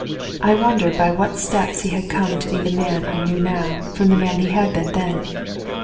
I wondered by what steps he had come to be the man I knew now from the man he had been then.